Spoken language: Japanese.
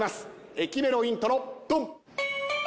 駅メロイントロドン。